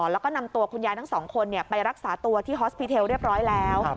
แล้วก็นำตัวคุณยายทั้งสองคนไปรักษาตัวที่ฮอสพิเทลเรียบร้อยแล้ว